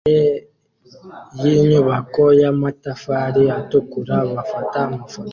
imbere yinyubako yamatafari atukura bafata amafoto